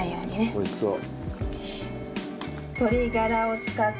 「おいしそう」